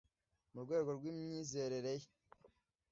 mu rwego rw imyizerere